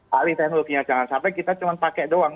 alih teknologinya jangan sampai kita cuma pakai doang